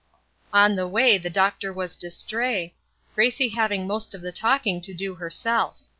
On the way the doctor was distrait, Gracie having most of the talking to do herself.